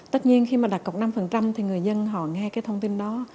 tất nhiên khi mà đặt cọc năm thì người dân họ nghe cái thông tin đó